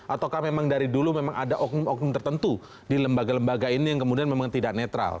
ataukah memang dari dulu memang ada oknum oknum tertentu di lembaga lembaga ini yang kemudian memang tidak netral